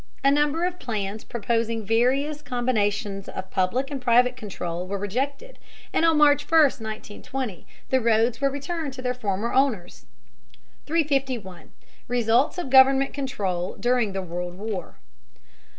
A number of plans proposing various combinations of public and private control were rejected, and on March 1, 1920, the roads were returned to their former owners. 351. RESULTS OF GOVERNMENT CONTROL DURING THE WORLD WAR.